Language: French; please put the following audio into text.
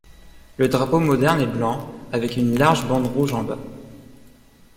Le drapeau moderne est blanc avec une large bande rouge en bas.